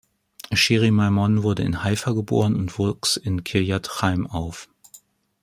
Shiri Maimon wurde in Haifa geboren und wuchs in Kirjat Chaim auf.